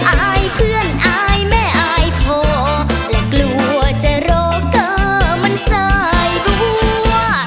อายเพื่อนอายแม่อายพอและกลัวจะรอเกอร์มันสายบัว